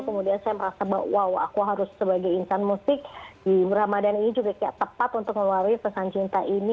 kemudian saya merasa bahwa wow aku harus sebagai insan musik di ramadan ini juga tepat untuk meluari pesan cinta ini